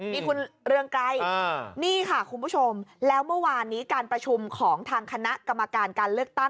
นี่คุณเรืองไกรนี่ค่ะคุณผู้ชมแล้วเมื่อวานนี้การประชุมของทางคณะกรรมการการเลือกตั้ง